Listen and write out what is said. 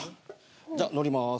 じゃあ乗ります。